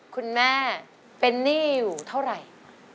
คุณแม่เป็นหนี้อยู่เท่าไหร่